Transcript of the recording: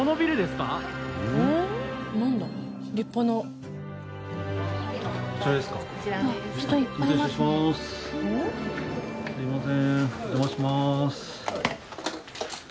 すいませんお邪魔します。